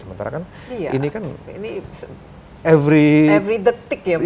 sementara kan ini kan every detik ya bu